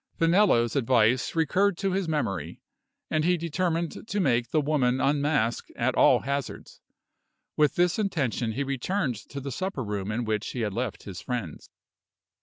Finello's advice recurred to his memory; and he determined to make the woman unmask at all hazards. With this intention he returned to the supper room in which he had left his friends.